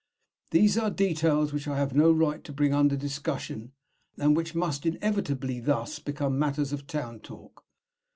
These are details which I have no right to bring under discussion, and which must inevitably thus become matters of town talk.